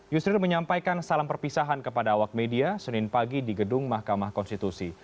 yusril menyampaikan salam perpisahan kepada awak media senin pagi di gedung mahkamah konstitusi